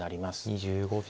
２５秒。